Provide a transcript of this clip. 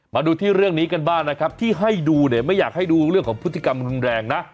มาดูที่เรื่องนี้กันบ้างนะครับที่ให้ดูเนี่ยไม่อยากให้ดูเรื่องของพฤติกรรมรุนแรงนะ